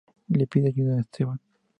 Le pide ayuda a Esteban.